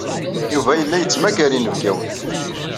Yuba yella yettmagar inebgawen.